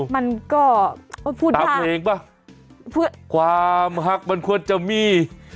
มันก็พูดเองป่ะความหักมันควรจะมี